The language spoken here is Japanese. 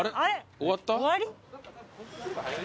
終わった？